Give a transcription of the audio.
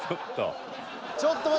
ちょっと。